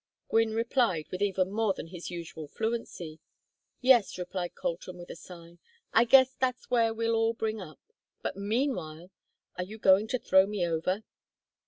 Gwynne replied with even more than his usual fluency. "Yes," replied Colton, with a sigh. "I guess that's where we'll all bring up. But meanwhile? Are you going to throw me over?"